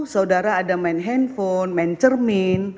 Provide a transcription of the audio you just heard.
saudara ada main handphone main cermin